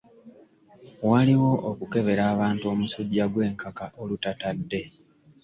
Waliwo okukebera abantu omusujja gw'enkaka olutatadde